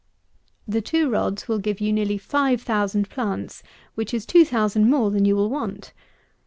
The two rods will give you nearly five thousand plants, which is 2000 more than you will want.